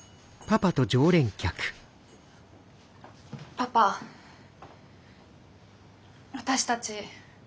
パパ私たち。